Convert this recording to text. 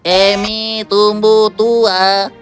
amy tumbuh tua